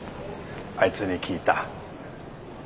あいつに聞いた。